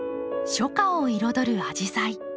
初夏を彩るアジサイ。